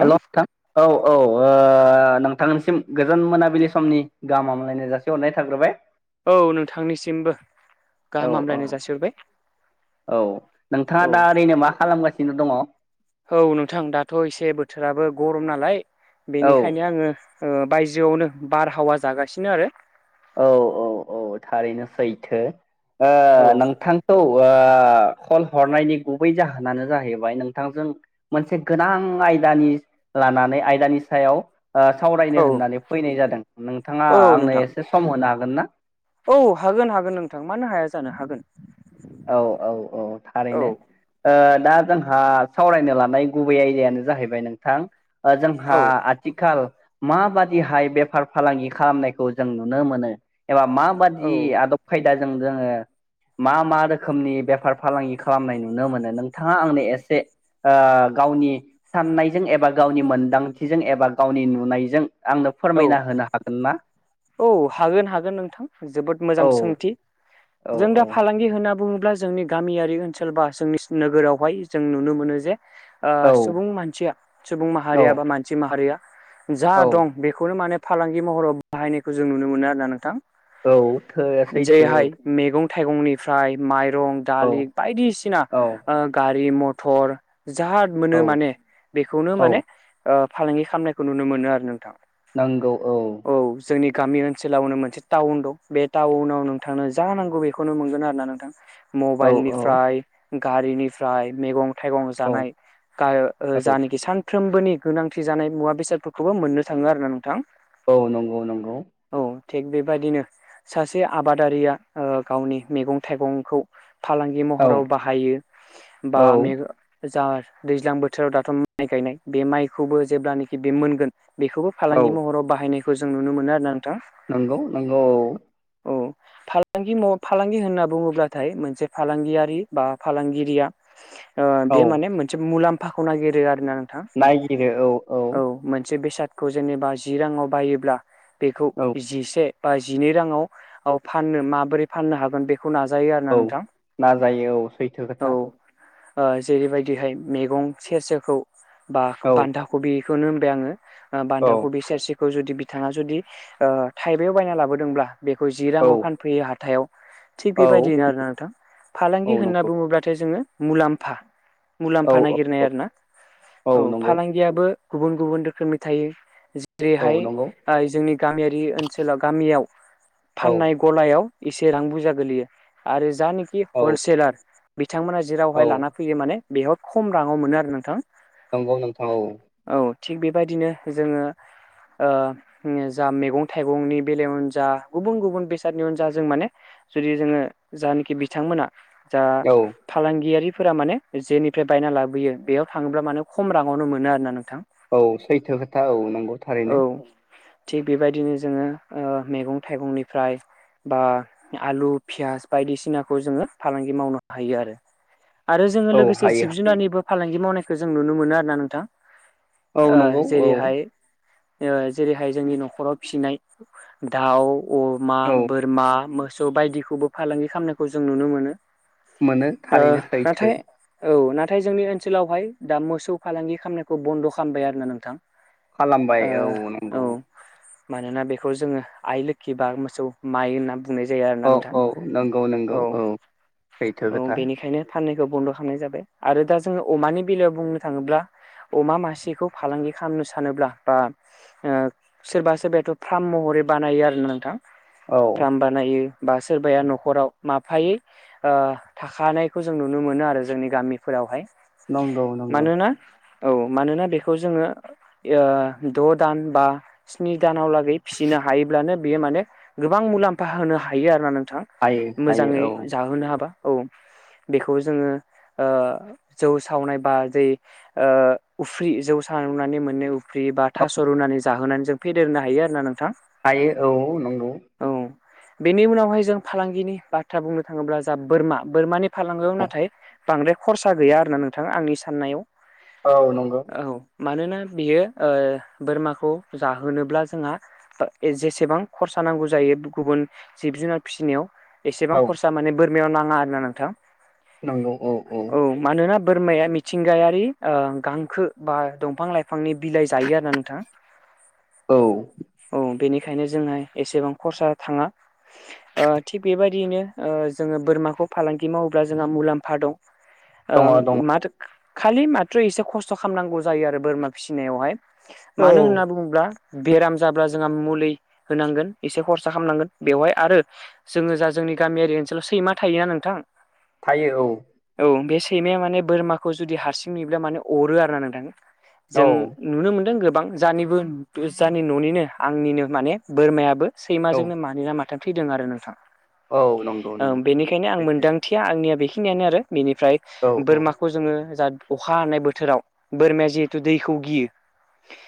हेल' नोंथां औ औ ओ नोंथांनिसिम गोजान मोनाबिलि समनि गाहाम हामलायनाय जासि हरनाय थाग्रोबाय औ नोंथांनिसिमबो औ गाहाम औ हामलायनाय जासिहरबाय। औ नोंथाङा औ दा ओरैनो मा खालामगासिनो दङ? औ नोंथां दाथ' एसे बोथोराबो गरम नालाय औ बेनिखायनो आङो ओ बायजोआवनो बारहावा जागासिनो आरो औ औ औ थारैनो सैथो ओ औ नोंथांखौ ओ ओ कल हरनायनि गुबै जाहोनानो जाहैबाय नोंथांजों मोनसे गोनां आयदानि लानानै आयदानि सायाव सावरायनो औ होननानै फैनाय जादों नोंथाङा औ आंनो नोंथां एसे सम होनो हागोन ना? औ हागोन हागोन नोंथां मानो हाया जानो हागोन । औ औ औ औ थारैनो ओ दा जोंहा सावरायनो लानाय गुबै आयदायानो जाहैबाय नोंथां जोंहा औ आथिखाल माबादिहाय बेफार फालांगि खामनायखौ जों नुनो मोनो एबा औ माबादि आदब खायदाजों जोङो मा मा रो खोमनि बेफार फालांगि खालामनाय नुनो मोनो नोंथाङा आंनो एसे ओ गावनि साननायजों एबा गावनि मोनदांथिजों एबा गावनि नुनायजों आंनो औ फोरमायना होनो हागोन ना? औ हागोन हागोन नोंथां जोबोद मोजां औ सोंथि औ जों औ दा फालांगि हो ना बुङोब्ला जोंनि गामियारि ओनसोल बा जोंनि नोगोरावहाय जों नुनो मोनो जे ओ औ सुबुं मानसिया सुबुं औ माहारिया बा मानसि माहारिया जा औ दं बेखौनो माने फालांगि महराव बाहायनायखौ जों नुनो मोनो आरोना नोंथां औ थो । सैथो औ जेहाय मेगं थाइगंनिफ्राय माइरं औ दालि बायदिसिना औ ओ गारि मथर जा मोनो औ माने बेखौनो माने औ ओ फालांगि खालामनायखौ नुनो मोनो आरो नोंथां । नोंगौ औ । औ जोंनि गामि ओनसोलावनो मोनसे टाउन दं बे टाउनाव नोंथांनो जा नांगौ बेखौनो मोनगोन आरो ना ना नोंथां औ औ मबाइलनिफ्राय, गारिनिफ्राय, मेगं थाइगं औ जानाय गाय ओ औ जानोखि सान फ्रोमबोनि गोनांथि जानाय मुवा बेसादफोरखौबो मोननो थाङो आरो ना नोंथां । औ नंगौ नंगौ थिग बेबायदिनो सासे आबादारिया ओ गावनि मेगं थाइगंखौ फालांगि औ महराव बाहायो औ बा मे जा दैज्लां बोथोराव दाथ' माइ गायनाय बे माइखौबो जेब्लानाखि बे मोनगोन बेखौबो फालांगि महराव बाहायनायखौ जों नुनो मोनो आरो ना नोंथां । नोंगौ नोंगौ औ औ फालांगि माव फालांगि होनना बुङोब्लाथाय मोनसे फालांगियारि बा फालांगिरिया ओ औ औ बे माने मोनसे मुलाम्फाखौ नागिरो आरो ना नोंथां औ मोनसे बेसाद खौ जेनेबा जि राङाव बायोब्ला बेखौ औ जिसे बा जिनै राङाव फाननो माबोरै फाननो हागोन बेखौ नाजायो आरो औ ना नोंथां । नाजायो औ सैथो खोथा । ओ जेरैबायदिहाय मेगं सेरसेखौ बा औ बान्दा खबिखौनो होनबाय आङो ओ औ बान्दा कबि सेरसेखौ जुदि बिथाङा जुदि ओ थाइबायाव बायना लाबोदोंब्ला बेखौ जि औ राङाव फानफैयो हाथायाव थिग औ बेबायदिनो आरो नोंथां औ फालांगि होनना नंगौ बुङोब्लाथाय जोङो मुलाम्फा औ मुलाम्फा औ नागिरनाय औ आरो ना औ फालांगियाबो गुबुन गुबुन रोखोमनि थायो औ जेरैहाय नंगौ जोंनि गामियारि ओनसोलाव गामियाव औ फाननाय गलायाव एसे रां बुरजा गोलैयो आरो जानोखि औ हलसेेलार बिथांमोना औ जेरावहाय लाना फैयो माने बेयाव खम राङाव मोनो आरो नोंथां । नोंगौ नोथां औ । थिग बेबायदिनो जोङो ओ जा मेगं थाइगंनि बेलायावनो जा गुबुन गुबुन बेसादनियावनो जा जों माने जुदि जोङो जानोखि बिथांमोना जा औ फालांगियारि फोर माने जेनिफ्राय बायना लाबोयो बेयाव थाङोब्ला माने खम रांआवनो मोनो आरोना नों औ सैथो खोथा औ नोंगौ थारैनो औ । थिग बेबायदिनो जोङो ओ मेगं थाइगंनिफ्राय बा आलु पियास बायदिसिनाखौ जोङो फालांगि मावनो हायो आरो ।आरो जोङो औ लोगोसे हायो जिब हायो जुनारनिबो फालांगि मावनाय खौ जों नुनो मोनो आरो ना नोंथां। औ ओ नंगौ औ जेरैहाय ओ जेरैहाय जोंनि न'खराव फिनाय दाउ अमा, औ बोरमा, मोसौ बायदिखौबो फालांगि खामनायखौ जों नुनो मोनो। मोनो ओ थारैनो सैथो नाथाय औ ना थाय जोंनि ओनसोलावहाय दा मोसौ फालांगि खामनायखौ बन्द' खामबाय आरोना नोंथां। खालामबाय औ ओ नोंगौ। औ मानोना बेखौ जोङो आइ लोखि बा मोसौ माइ होनना बुंनाय जायो आरोना औ नोंथां औ नंगौ नंगौ औ सैथो औ खोथा बेनिखायनो साननैखौ बन्द' खालामनाय जाबाय आरो दा जोङो अमानि बेलायाव बुंनो थाङोब्ला अमा मासेखौ फालांगि खालामनो सानोब्ला बा आ सोरबा सोरबायाथ' फार्म मावो बानायो आरो ना नोंथां औ फार्म बानायो बा सोरबाया न'खराव माफायै आ थाखानायखौ जों नुनो मोनो आरो जोंनि गामिफोरावहाय नंगौ नंगौ मानोना औ मानोना बेखौ जोङो यो द' दान बा स्नि दानाव लागै फिसिनो हा हायोब्लानो बेयो माने गोबां मुलाम्फा होनो हायो आरोना नोंथां हायो हायो मोजाङै औ जोहोनो हा बा औ बेखौ जोङो ओ जौ सावनाय बा जै ओ उफ्रि जौ सा उन्नानै मोनै उफ्रि बा थास' रुनानै जाहोनानै जों फेदेरनो हायो आरो ना नोंथां हायो औ नंगौ औ बेनि उनावहाय जों फालांगिनि बाथ्रा बुंनो थाङोब्ला जा बोरमा बोरमानि फालांगोआव नाथाय बांद्राय खरसा गैया आरोना नोंथां आंनि साननायाव औ नंगौ औ मानोना बियो ओ बोरमाखौ जाहोनोब्ला जोंहा ओ जेसेबां खरसा नांगौ जायो गुबुन जिब जुनार फिसिनायाव एसेबां औ खरसा माने बोरमायाव नाङा आरोना नोंथां नंगौ औ औ बोरमाया मिथिंगायारि गांखो बा दंफां लाइफां बिफांनि बिलाइ जायो आरो ना नोंथां औ औ बेनि निखायनो जोंहा एसेबां खरसा थाङा ओ थिग बेबायदियैनो ओ जोङो बोरमाखौ फालांगि मावोब्ला जोंहा मुलाम्फा दं दङ ओं दङ माथो खालि माथ्रो एसे खस्थ' खालामनांगौ जायो आरो बोरमा फिसिनायावहाय औ मानो होनना बुङोब्ला बेराम जाब्ला जोंहा मुलि होनांगोन एसे खरसा खालामनांगोन बेवहाय आरो जोङो जा जों जोंनि गामियारि ओनसोलाव सैमा थायोना नोंथां थायो औ औ बे सैमाया माने बोरमाखौ जुदि हारसिं नुयोब्ला माने अरो आरो ना नोंथां औ जों नुनो मोनदों गोब बां जानिबो जानि न'निनो आंनिनो माने बोरमायाबो औ सैमाजोंनो मानि ना मा थैदों आरो नोंथां औ नं ओं बेनिखायनो आं मोनदांथिया आंनिया बेखिनियानो आरो बेनिफ्राय औ औ बोरमाखौ जोङो जा अखा हानाय बोथोराव बोरमाया जिहेथु दैखौ गियो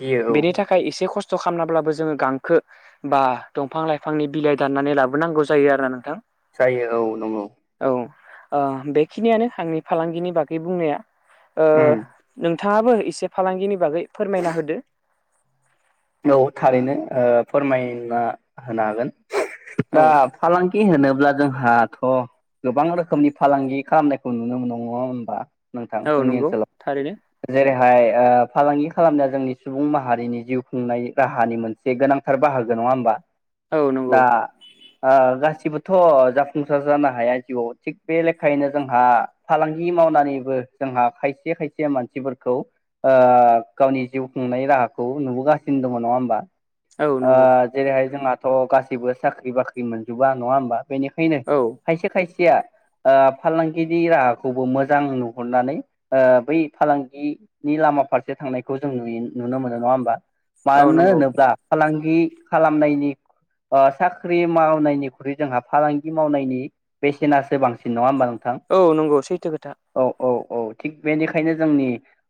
गियो औ बेनि थाखाय एसे खस खस्थ' खालामनाब्लाबो जोङो गांखो बा दंफां लाइफांनि बिलाइ दाननानै लाबोनांगौ जायो आरोना नोंथां जायो औ नंगौ औ ओ बेखिनियानो आंनि फालांगिनि बागै बुंनाया ओ उम नोंथाङाबो एसे फालांगिनि बागै फोरमायना होदो औ थारैनो ओ फोरमाय ना होनो हागोन दा औ फालांगि होनो ब्ला जोंहा थ' गोबां रोखोमनि फालांगि खालामनायखौ नुनो मोनो नङा होनबा नोंथां औ जोंनि नंगौ थारैनो ओनसोलाव जेरैहाय ओ फालांगि खालामनाया जोंनि सुबुं माहारिनि जिउ खुंनाय राहानि मोनसे गोनांथार बाहागो नङा होमबा औ नंगौ दा ओ गासै बोथ' जाफुंसार जानो हाया जिउआव थिग बे लेखायैनो जोंहा फालांगि मावनानैबो जोंहा खायसे खायसे मानसिफोरखौ आ गावनि जिउ खुंनाय राहाखौ नुबोगा सिनो दं नङा होमबा? औ आ नंगौ जेरैहाय जोंहा थ' गासैबो साख्रि बाख्रि मोनजोबा नङा होमबा बेनिखायनो औ खायसे खायसेया आ फालांगिनि राहाखौबो मोजां नुहरनानै आ बै फालांगिनि लामा मा फारसे थांनायखौ जों नुयो नुनो मोनो नङा होमबा? औ मानो नंगौ होनोब्ला फालांगि खालामनायनि ओ साख्रि मावनायनिख्रुइ जोंहा फालांगि मावनायनि बेसेनासो बांसिन नङा होमबा नों औ नंगौ सैथो खोथा। औ थिग बेनिखायनो जोंनि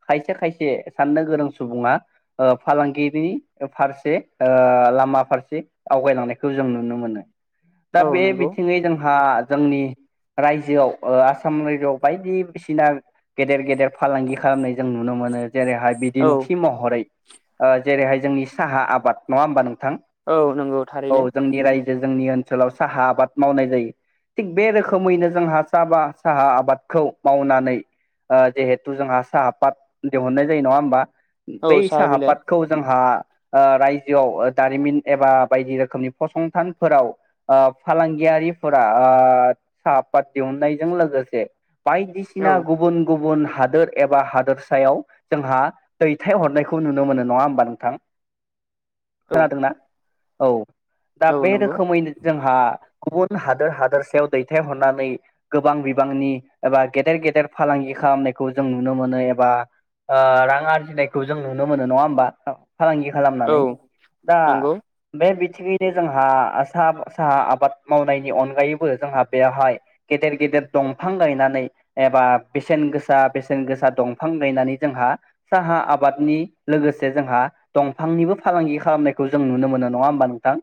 खायसे खायसे साननो गोरों सुबुङा ओ फालांगिरि नि ओ फारसे ओ लामा फारसे आवगायलांनायखौ जों नुनो मोनो। दा औ बे नंगौ बिथिङै जोंहा जोंनि रायजोआव ओ आसाम रायजोआव बायदिसिना गेदेर गेदेर फालांगि खालामनाय जों नुनो मोनो। जेरैहाय औ बिदिन्थि महरै ओ जेरैहाय जोंनि साहा आबाद नङा होमबा नों थां औ नंगौ थारैनो औ जोंनि रायजो जोंनि ओनसोलाव साहा आबाद मावनाय जायो। थिग बे रोखोमैनो जोंहा सा बा साहा आबादखौ मावनानै ओ जिहेथु जोंहा साहा पात दिहुननाय जायो नङा होमबा? औ बै साहा बिलाइ पातखौ जोंहा ओ राय जोआव ओ दारिमिन एबा बायदि रोखोमनि फसंथानफोराव ओ फालांगियारिफोरा ओ साहा पात दिहुननायजों लोगोसे औ बायदिसिना गुबुन गुबुन हादोर एबा हादोरसायाव जोंहा दैथाय हरनायखौ नुनो मोनो नङा होमबा नोंथां? औ खोनादोंना? औ दा औ बे नंगौ रोखोमैनो जोंहा गुबुन हादोर हादोरसायाव दैथायहरनानै गोबां बिबांनि एबा गेदेर गेदेर फालांगि खालामनायखौ जों नुनो मोनो एबा ओ रां आरजिनायखौ जों नुनो मोनो नङा होमबा? फालांगि औ खालामनानै दा नंगौ बे थिंयैनो जोंहा आ साहा साहा आबाद मावनायनि अनगायैबो जोंहा बेवहाय गेदेर गेदेर दंफां गायनानै एबा बेसेन गोसा बेसेन गोसा दंफां गायनानै जोंहा साहा आबादनि लोगोसे जोंहा दंफांनिबो फालांगि खालामनायखौ जों नुनो मोनो नङा होमबा नोंथां?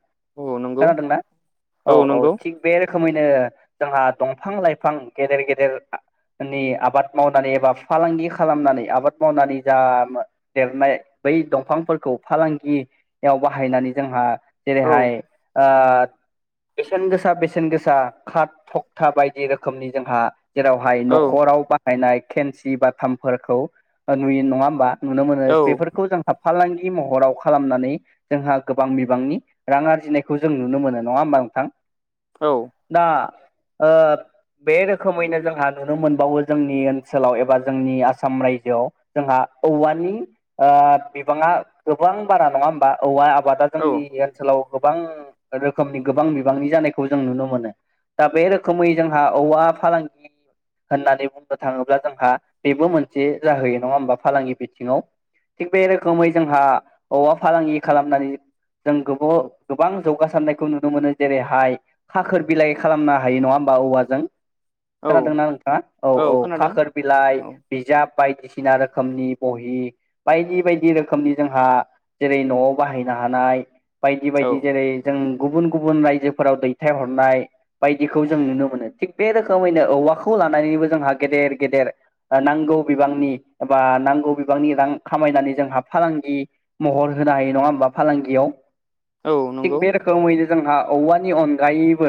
औ नंगौ खोनादोंना? औ औ थिग बे रोखोमैनो जोंहा दंफां लाइफां गेदेर गेदेर नि आबाद मावनानै एबा फालांगि खालामनानै आबाद मावनानै जा देरनाय बै दंफांफोरखौ फालांगियाव बाहायनानै जोंहा औ जेरैहाय ओ बेसेन गोसा बेसेन गोसा खाद थकथा बायदि रोखोमनि जोंहा जेरावहाय औ न'खराव बाहायनाय खेनसि बाथामफोरखौ ओ नुयो नङा होमबा नुनो मोनो औ बेफोरखौ जों हाब फालांगि महराव खालामनानै जोंहा गोबां बिबांनि रां आरजिनायखौ जों नुनो मोनो नङा होमबा नोंथां? औ दा ओ बे रोखोमैनो जोंहा नुनो मोनबावो जोंनि ओनसोलाव एबा जोंनि आसाम रायजोआव जोंहा औवानि ओ बिबाङा गोबां बारा नङा होमबा औवा आबादा औ जोंनि ओनसोलाव गोबां रोखोमनि गोबां बिबांनि जानायखौ जों नुनो मोनो। दा बे रोखोमै जोंहा औवा फालांगि होननानै बुंनो थाङोब्ला जोंहा बेबो मोनसे जाहैयो नङा होमबा फालांगि बिथिङाव। थिग बे रोखोमै जोंहा औवा फालांगि खालामनानै जों गोबाव गोबां जौगासारनायखौ नुनो मोनो जेरैहाय खाखोर बिलाइ खालामनो हायो नङा होमबा? बा औवाजों औ खोनादोंना नोंथाङा? औ औ खाखोर बिलाइ, औ बिजाब बायदिसिना रोखोमनि बहि बायदि बायदि रोखोमनि जोंहा जेरै न'आव बाहायनो हानाय बायदि औ बायदि जेरै जों गुबुन गुबुन रायजोफोराव दैथायहरनाय बायदिखौ जों नुनो मोनो थिग बे रोखोमैनो औवाखौ लानानैबो जोंहा गेदेर गेदेर नांगौ बिबांनि एबा नांगौ बिबांनि रां खामायना मानि जोंहा फालांगि महर होनो हायो नङा होमबा फालांगियाव औ थिग नंगौ बे रोखोमैनो जोंहा औवानि अनगायैबो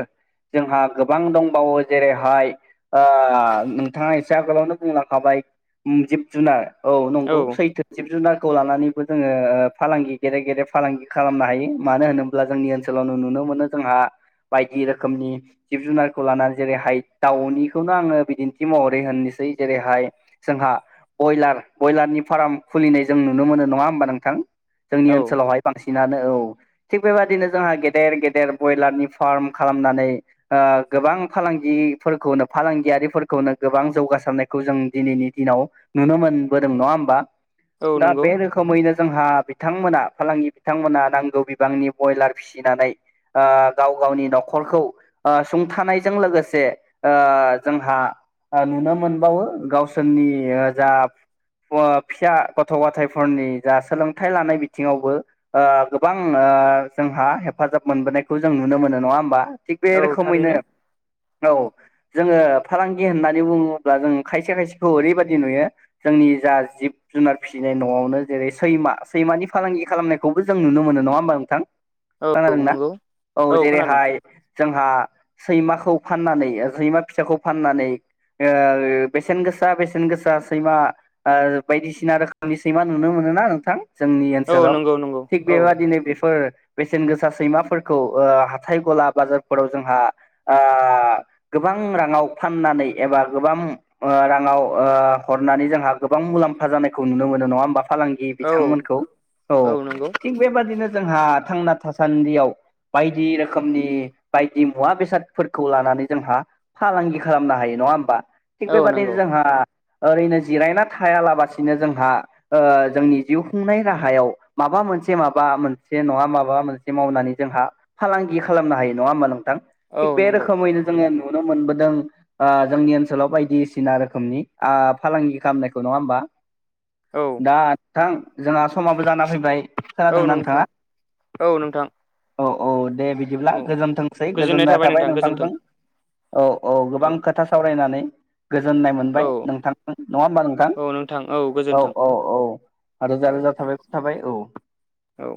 जोंहा गोबां दंबावो जेरैहाय ओ नोंथाङा एसे आगोलावनो बुंलांखाबाय जिब जुनार औ नंगौ सैथो जिब जुनारखौ लानानैबो जोङो ओ फालांगि गेदेर गेदेर फालांगि खालामनो हायो मानो होनोब्ला जोंनि ओनसोलावनो नुनो मोनो जोंहा बायदि रोखोमनि जिब जुनारखौ लानानै जेरैहाय दाउनिखौनो आङो बिदिन्थि महरै होननिसै जै जेरैहाय जोंहा बयलार बयलारनि फार्म खुलिनाय जों नुनो मोनो नङा हब नों जोंनि औ ओनसोलावहाय बांसिन नानो औ थिग बेबाददिनो जोंहा गेदेर गेदेर ब्रयलारनि फार्म खालामनानै ओ गोबां फालांगिफोरखौनो फालांगियारिफोरखौनो गोबां जौगासारनायखौ जों दिनैनि दिनाव नुनो मोनबोदों नङा होमबा औ दा नंगौ बे रोखोमैनो जोंहा बिथांमोना फालांगि बिथांमोना नांगौ बिबांनि ब्रयलार फिसिनानै गाव गावनि न'खरखौ सुंथानायजों लोगोसे जोंहा नुनो मोनबावो गावसोरनि जा अ फिसा गथ' गाथायफोरनि जा सोलोंथाइ लानाय बिथिङावबो गोबां जोंहा हेफाजाब मोनबोनायखौ जों नुो नुनो मोनो नङा होमबा थिग बे औ रोखोमैनो थारैनो औ जोङो फालांगि होननानै बुङोब्ला जों खायसे खायसेखौ ओरैबायदि नुयो जोंनि जा जिब जुनार फिसिनाय न'आवनो जेरै सैमा सैमानि फालांगि खालामनायखौबो जों नुनो मोनो नङा होमबा नोंथां औ खोनादों ना नंगौ औ जेरैहाय जोंहा सैमाखौ फाननानै सैमा फिथाखौ फाननानै बेसेन गोसा बेसेन गोसा सैमा बायदिसिना रोखोमनि सैमा नुनो मोनोना नोंथां जोंनि औ ओनसोलाव नंगौ नंगौ थिग औ बेबादिनो बेफोर बेसेन गोसा सैमाफोरखौ हााइ गला बाजारफोराव जोंहा गो गोबां राङाव फाननानै एबा गोबां राङाव हरनानै जोंहा गोबां मुलाम्फा जखौ नुनो मोन नङा हा फालांगि औ बिथांमोनखौ औ थि बेबदिनो जोंहा थांना थासान्दियाव बायदि रोखोमनि बायदि मुवा बेसादफोरखौ लानानै जोंहा फालांगि खालामनो हायो नङा होमबा थिग औ बेबादि नंगौ जोंहा ओरैनो जिरायना थायालाबसिनो जोंहा जोंनि जिउ खुंनाय राहायाव माबा मोनसे माबा मोनसे नङा माबा मोनसे मावनानै जों फालांगि खालामनो हायो नङा हबा नोंथां औ थिक बे नंगौ रोखैनो जोो नुनो मोनबोदों जोंनि ओनसोलाव बायदिसिना रोखोमनि फालांगि खालामनायखौ नङा होमबा [inaudible] औ दा नोंथां जोंहा समाबो जाना फैबाय औ खोनादोंना नोंथां नोंथाङा औ नोंथां औ औ दे बिदिब्ला औ गोजोनथोंसै गोजोननाय थाबाय नोंथांजों औ औ गोबां खोथा सावरायनानै गोजोन्नाय औ मोनबाय नोंथां नङा होमबा नोंथां औ नोंथां औ गोजोन्थों औ औ आरो रोजा औ रोजा थाबाय ख थाबाय औ औ